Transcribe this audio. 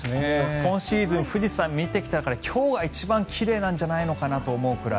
今シーズン富士山見てきた中で今日が一番奇麗なんじゃないかなというくらい。